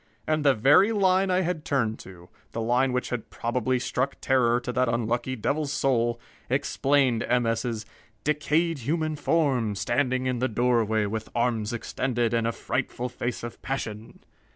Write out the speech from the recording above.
And the very line I had turned to, the line which had probably struck terror to that unlucky devil's soul, explained M. S.'s "decayed human form, standing in the doorway with arms extended and a frightful face of passion!"